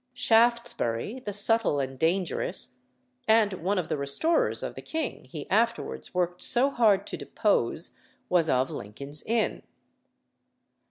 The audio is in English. Shaftesbury, the subtle and dangerous, and one of the restorers of the king he afterwards worked so hard to depose, was of Lincoln's Inn.